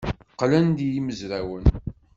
Qqlen-d yimezrawen.